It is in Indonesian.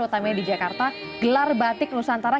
utamanya di jakarta gelar batik nusantara